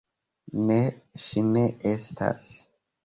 Ne, ŝi ne estas.